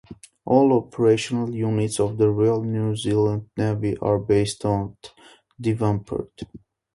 All operational units of the Royal New Zealand Navy are based at Devonport.